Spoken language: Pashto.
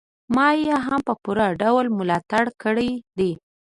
ما يې هم په پوره ډول ملاتړ کړی دی.